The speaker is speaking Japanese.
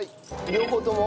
両方とも？